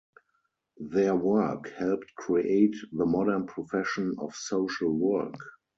Their work helped create the modern profession of social work.